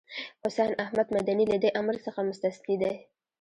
حسين احمد مدني له دې امر څخه مستثنی دی.